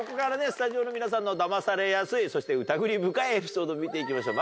スタジオの皆さんのダマされやすいそして疑り深いエピソード見ていきましょう